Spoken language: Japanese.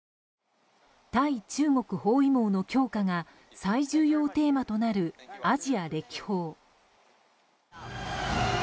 対中国包囲網の強化が最重要テーマとなるアジア歴訪。